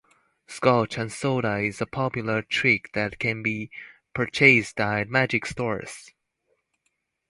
Scotch and Soda is a popular trick that can be purchased at magic stores.